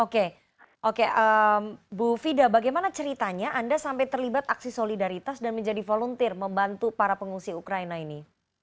oke oke bu fida bagaimana ceritanya anda sampai terlibat aksi solidaritas dan menjadi volunteer membantu para pengungsi ukraina ini